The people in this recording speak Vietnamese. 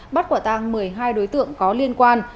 bắt quả tăng một mươi hai đối tượng có liên quan